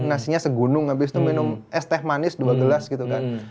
nasinya segunung habis itu minum es teh manis dua gelas gitu kan